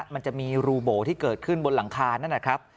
มันจะมีรูโบที่เกิดขึ้นบนหลังคานั่นนะครับ